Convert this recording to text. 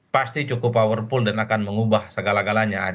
pasti cukup powerful dan akan mengubah segala galanya